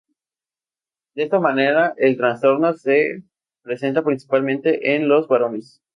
De esta manera, el trastorno se presenta principalmente en los varones.